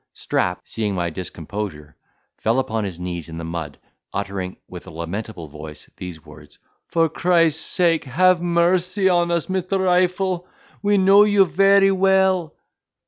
Strap, seeing my discomposure, fell upon his knees in the mud, uttering, with a lamentable voice, these words: "For Christ's sake, have mercy upon us, Mr. Rifle! we know you very well."